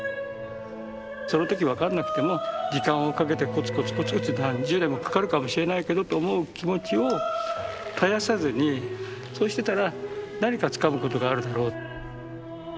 その時分かんなくても時間をかけてコツコツコツコツ何十年もかかるかもしれないけどと思う気持ちを絶やさずにそうしてたら何かつかむことがあるだろう。